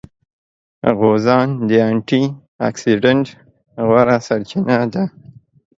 غوزان د انټي اکسیډېنټ غوره سرچینه ده.